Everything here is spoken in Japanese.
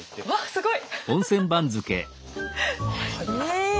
すごい！え！